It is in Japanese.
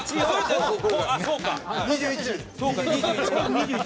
２１。